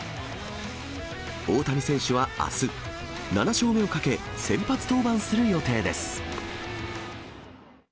大谷選手はあす、７勝目をかけ先発登板する予定です。